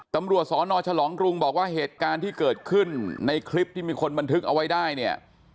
ตำรวจสนฉลองกรุงบอกว่าเหตุการณ์ที่เกิดขึ้นในคลิปที่มีคนบันทึกเอาไว้ได้เนี่ย